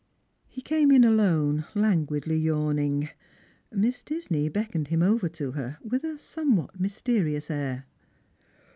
He came in alone, languidly yawning. Miss Disney beckoned him over to her, with a somewhat mysterious air.